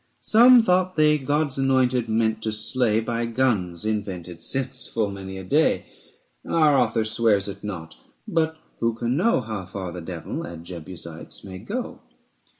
Some thought they God's anointed meant to slay 130 By guns, invented since full many a day : Our author swears it not; but who can know How far the Devil and Jebusites may go?